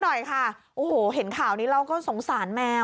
หน่อยค่ะโอ้โหเห็นข่าวนี้เราก็สงสารแมว